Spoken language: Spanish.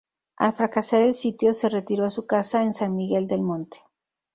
Al fracasar el sitio, se retiró a su casa en San Miguel del Monte.